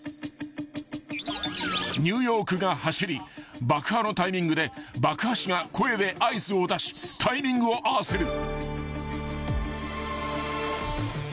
［ニューヨークが走り爆破のタイミングで爆破師が声で合図を出しタイミングを合わせる］